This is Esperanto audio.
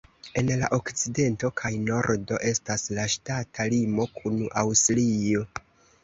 En la okcidento kaj nordo estas la ŝtata limo kun Aŭstrio.